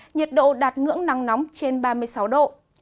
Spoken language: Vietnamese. nhiệt độ đạt ngưỡng nắng nóng trên ba mươi sáu độ